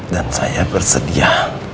dan saya bersedia